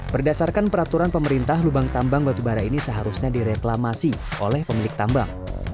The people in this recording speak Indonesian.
berdasarkan peraturan pemerintah lubang tambang batubara ini seharusnya direklamasi oleh pemilik tambang